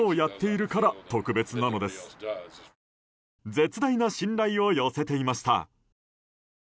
絶大な信頼を寄せていました。